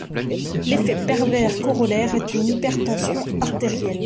L'effet pervers corollaire est une hypertension artérielle.